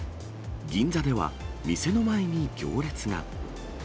銀座では、店の前に行列が。